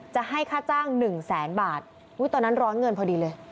จะให้ค่าจ้าง๑แสนบาทตอนนั้นร้อนเงินพอดีเลย